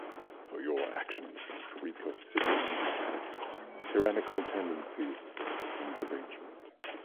For your actions reek of sickening brutality, tyrannical tendencies, and derangement.